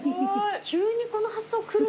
急にこの発想くるのが。